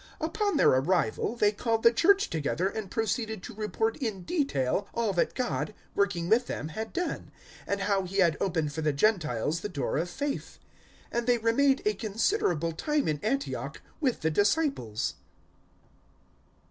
014:027 Upon their arrival they called the Church together and proceeded to report in detail all that God, working with them, had done, and how He had opened for the Gentiles the door of faith. 014:028 And they remained a considerable time in Antioch with the disciples.